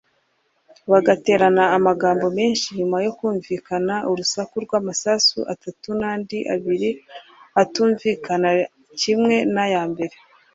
bagaterana amagambo menshi nyuma hakumvikana urusaku rw’amasasu atatu n’andi abiri atumvikana kimwe n’aya mbere